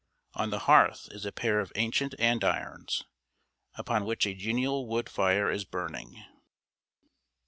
On the hearth is a pair of ancient andirons, upon which a genial wood fire is burning.